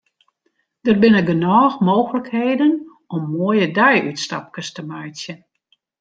Der binne genôch mooglikheden om moaie deiútstapkes te meitsjen.